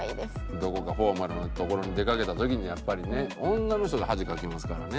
どこかフォーマルな所に出かけた時にやっぱりね女の人が恥かきますからね。